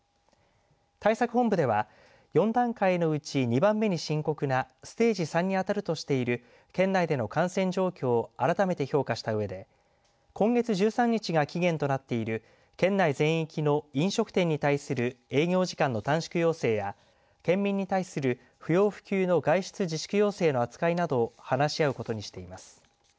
対策本部では、４段階のうち２番目に深刻なステージ３にあたるとしている県内での感染状況を改めて評価したうえで今月１３日が期限となっている県内全域の飲食店に対する営業時間の短縮要請や県民に対する不要不急の外出自粛要請の扱いなどを話し合うことにしています。